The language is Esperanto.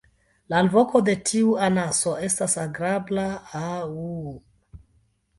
La alvoko de tiu anaso estas agrabla "ah-uu.